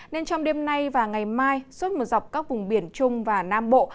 nên trong đêm nay và ngày mai suốt một dọc các vùng biển trung và nam bộ